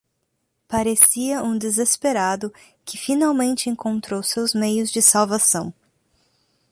Parecia um desesperado que finalmente encontrou seus meios de salvação.